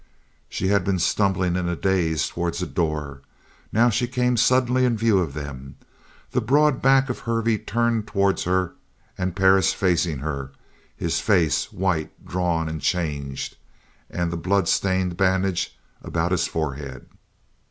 She had been stumbling in a daze towards the door. Now she came suddenly in view of them, the broad back of Hervey turned towards her and Perris facing her, his face white, drawn, and changed. And the blood stained bandage about his forehead.